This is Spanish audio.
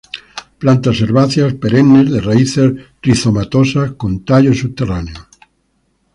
Plantas herbáceas, perennes, de raíces rizomatosas con tallos subterráneos.